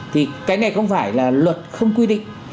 thì cái này không phải là luật không quy định